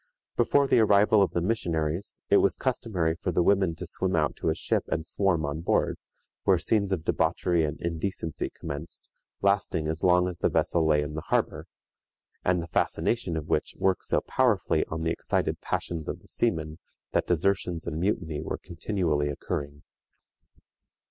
Before the arrival of the missionaries, it was customary for the women to swim out to a ship and swarm on board, where scenes of debauchery and indecency commenced, lasting as long as the vessel lay in the harbor, and the fascination of which worked so powerfully on the excited passions of the seamen that desertions and mutiny were continually occurring.